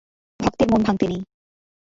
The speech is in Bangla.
ভক্তের মন ভাঙ্গতে নেই।